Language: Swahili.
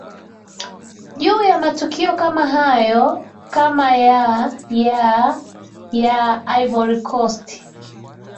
juu ya matukio kama hayo kama ya ya ya ivory coast